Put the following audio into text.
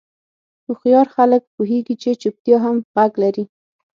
هوښیار خلک پوهېږي چې چوپتیا هم غږ لري.